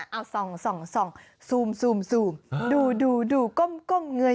เอาส่องซูมดูดูก้มเงย